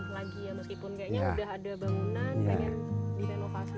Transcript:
meskipun kayaknya udah ada bangunan pengen di renovasi